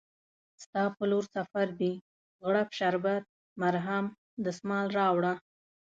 ستا په لورسفردي، غوړپ شربت، مرهم، دسمال راوړه